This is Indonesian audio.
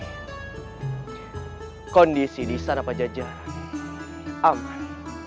rai kondisi di sana pajajah aman